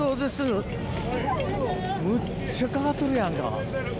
むっちゃかかっとるやんか。